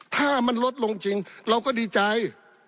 ถ้ามันลดลงจริงเราก็ดีใจ